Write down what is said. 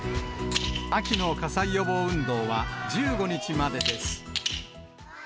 秋の火災予防運動は、１５日までです。